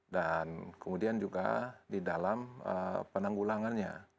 dan kemudian juga di dalam penanggulangannya